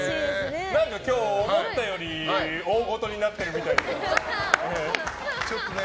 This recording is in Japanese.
今日、思ったより大ごとになってるみたいですね。